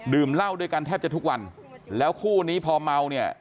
เหล้าด้วยกันแทบจะทุกวันแล้วคู่นี้พอเมาเนี่ย